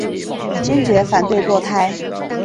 坚决反对堕胎。